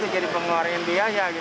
jadi pengeluaran biaya